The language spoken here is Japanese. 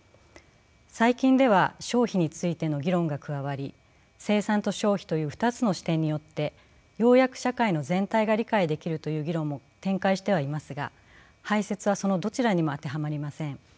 最近では消費についての議論が加わり生産と消費という２つの視点によってようやく社会の全体が理解できるという議論も展開してはいますが排泄はそのどちらにも当てはまりません。